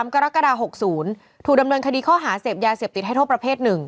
กรกฎา๖๐ถูกดำเนินคดีข้อหาเสพยาเสพติดให้โทษประเภท๑